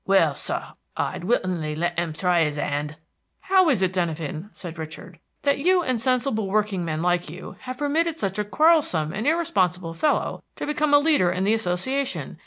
"Well, sir, I'd willingly let him try his 'and." "How is it, Denyven," said Richard, "that you and sensible workingmen like you, have permitted such a quarrelsome and irresponsible fellow to become a leader in the Association?